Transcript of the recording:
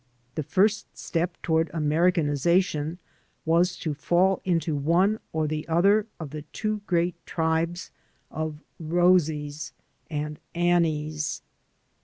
The first step toward Americanization was to fall into one or the other of the two great tribes of Rosies and Annies.